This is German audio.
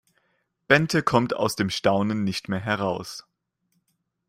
Bente kommt aus dem Staunen nicht mehr heraus.